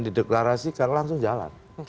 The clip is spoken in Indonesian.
dideklarasikan langsung jalan